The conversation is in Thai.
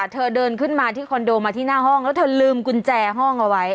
เธอเดินขึ้นมาที่คอนโดมาที่หน้าห้องแล้วเธอลืมกุญแจห้องเอาไว้